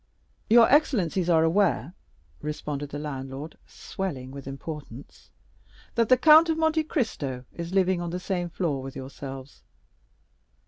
"Your excellencies are aware," responded the landlord, swelling with importance, "that the Count of Monte Cristo is living on the same floor with yourselves!"